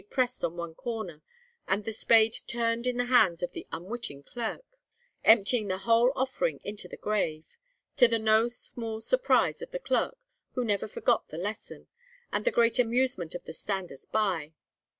pressed on one corner, and the spade turned in the hands of the unwitting clerk, emptying the whole offering into the grave, to the no small surprise of the clerk, who never forgot the lesson, and the great amusement of the standers by.'